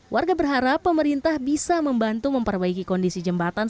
warga berharap pemerintah bisa membantu memperbaiki kondisi jembatan